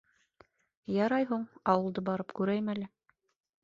Ярай һуң, ауылды барып күрәйем әле.